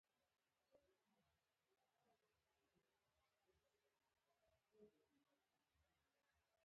په برېښنایي دورو کې له فیوز څخه ګټه اخیستل اړین کار دی.